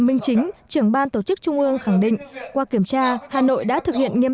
minh chính trưởng ban tổ chức trung ương khẳng định qua kiểm tra hà nội đã thực hiện nghiêm